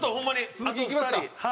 続きいきますか。